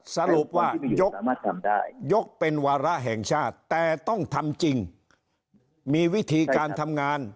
สรุปว่ายกเป็นวาระแห่งชาติแต่ต้องทำจริงมีวิธีการทำงาน